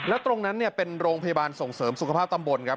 แล้วตรงนั้นเป็นโรงพยาบาลส่งเสริมสุขภาพตำบลครับ